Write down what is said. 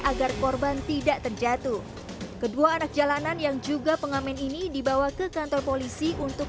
agar korban tidak terjatuh kedua anak jalanan yang juga pengamen ini dibawa ke kantor polisi untuk